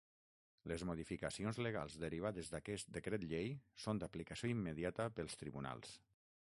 Les modificacions legals derivades d’aquest decret llei son d’aplicació immediata pels tribunals.